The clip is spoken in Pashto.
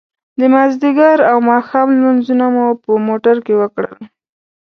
د ماذيګر او ماښام لمونځونه مو په موټر کې وکړل.